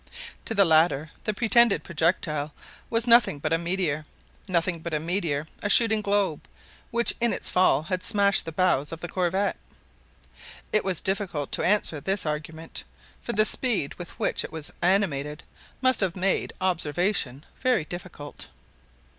To the latter the pretended projectile was nothing but a meteor! nothing but a meteor, a shooting globe, which in its fall had smashed the bows of the corvette. It was difficult to answer this argument, for the speed with which it was animated must have made observation very difficult.